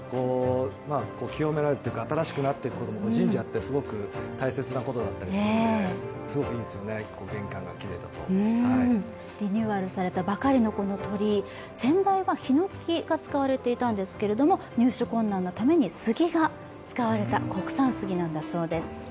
清められるというか、新しくなっていくことも神社ってすごく大切なことだったりするので、すごくいいですよね、リニューアルされたばかりのこの鳥居先代はひのきが使われていたんですけれども、入手困難なために杉が使われた、国産杉だそうです。